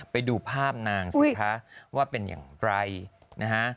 ไปดูภาพนางสิคะว่าเป็นอย่างไรนะฮะ